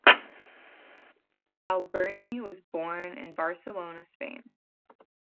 Alberni was born in Barcelona, Spain.